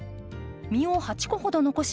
実を８個ほど残し